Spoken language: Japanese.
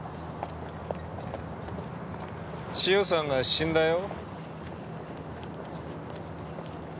塩さんが死んだよ。